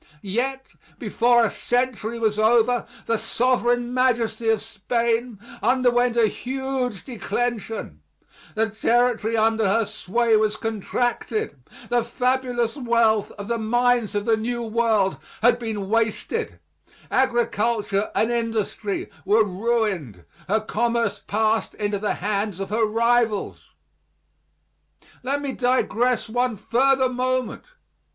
Yet before a century was over the sovereign majesty of Spain underwent a huge declension, the territory under her sway was contracted, the fabulous wealth of the mines of the New World had been wasted, agriculture and industry were ruined, her commerce passed into the hands of her rivals. Let me digress one further moment.